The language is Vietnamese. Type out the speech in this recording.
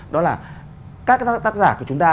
đó là các tác giả của chúng ta